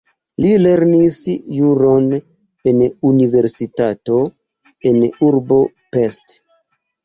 Li lernis juron en universitato en urbo Pest.